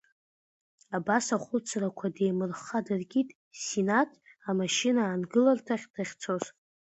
Абас ахәыцрақәа деимырхха дыркит Синаҭ амашьына аангыларҭахь дахьцоз.